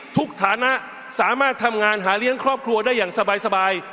ฐานะสามารถทำงานหาเลี้ยงครอบครัวได้อย่างสบาย